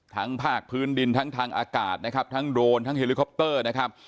ภาคพื้นดินทั้งทางอากาศนะครับทั้งโดรนทั้งเฮลิคอปเตอร์นะครับ